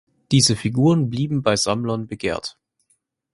Diese Figuren blieben bei Sammlern begehrt.